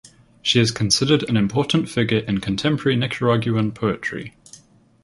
She is considered an important figure in contemporary Nicaraguan poetry.